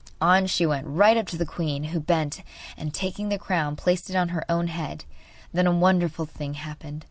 On she went right up to the queen, who bent and, taking the crown, placed it on her own head. Then a wonderful thing happened.